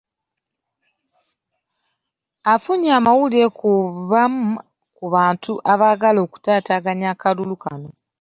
Afunye amawulire ku bamu ku bantu abaagala okutaataaganya akalulu kano